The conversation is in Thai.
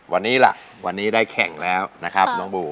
วันนี้ล่ะวันนี้ได้แข่งแล้วนะครับน้องบู